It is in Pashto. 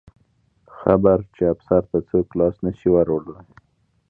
خبر چې افسر ته څوک لاس نه شي وروړلی.